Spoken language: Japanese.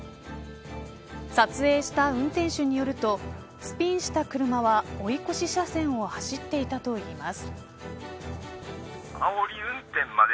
撮影した運転手によるとスピンした車は追い越し車線を走っていたといいます。